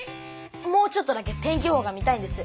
もうちょっとだけ天気予報が見たいんです。